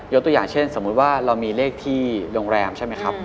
ตัวอย่างเช่นสมมุติว่าเรามีเลขที่โรงแรมใช่ไหมครับ